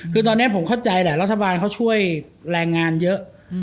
คือตอนนี้ผมเข้าใจแหละรัฐบาลเขาช่วยแรงงานเยอะ